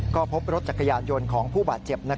ก็พบรถจักรยานยนต์ของผู้บาดเจ็บ